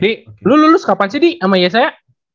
di lu lulus kapan sih di sama yesaya